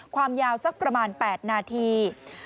ความยาวสักประมาณ๘นาที